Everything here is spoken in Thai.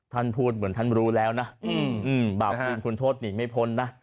ท่านพูดเหมือนท่านรู้แล้วนะบาปจริงคุณโทษหนีไม่พ้นนะ